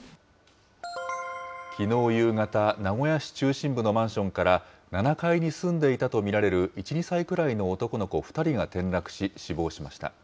きのう夕方、名古屋市中心部のマンションから、７階に住んでいたと見られる１、２歳くらいの男の子２人が転落し、死亡しました。